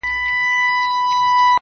ستا جدايۍ ته به شعرونه ليکم.